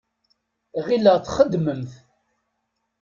Ɣileɣ txeddmemt.